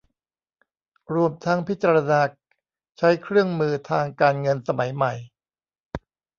รวมทั้งพิจารณาใช้เครื่องมือทางการเงินสมัยใหม่